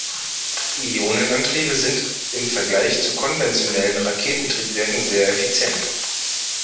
Ionenantriebe sind im Vergleich zu konventionellen Raketentriebwerken sehr effizient.